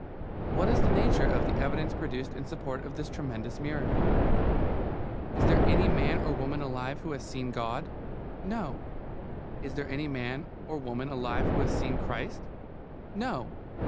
What is the nature of the evidence produced in support of this tremendous miracle? Is there any man or woman alive who has seen God? No. Is there any man or woman alive who has seen Christ? No.